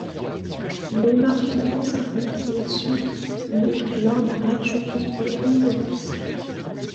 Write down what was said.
Il honore finalement sa première sélection le lors d'un match contre le Honduras.